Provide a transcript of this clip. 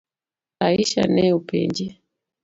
Aisha ne openje.